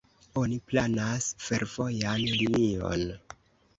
Oni planas fervojan linion.